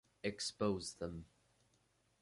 Expose them.